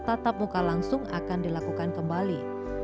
tatap muka langsung akan dilakukan kembali